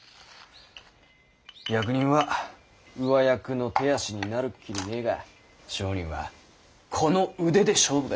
役人は上役の手足になるっきりねぇが商人はこの腕で勝負ができる。